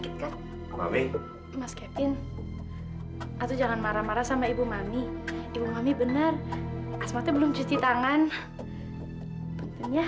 sampai jumpa di video selanjutnya